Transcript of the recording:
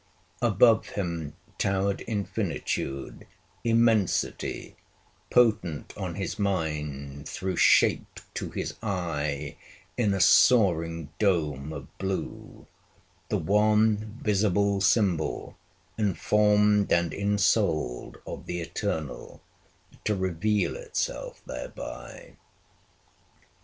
Above him towered infinitude, immensity, potent on his mind through shape to his eye in a soaring dome of blue the one visible symbol informed and insouled of the eternal, to reveal itself thereby.